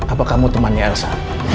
apakah kamu temannya elsa